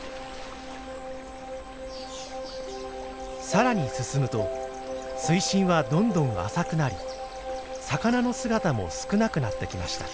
さらに進むと水深はどんどん浅くなり魚の姿も少なくなってきました。